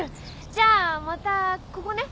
じゃあまたここね。